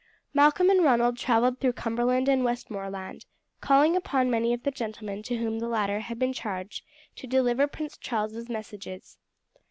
Malcolm and Ronald travelled through Cumberland and Westmoreland, calling upon many of the gentlemen to whom the latter had been charged to deliver Prince Charles's messages.